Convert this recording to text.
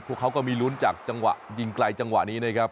เขาก็มีลุ้นจากจังหวะยิงไกลจังหวะนี้นะครับ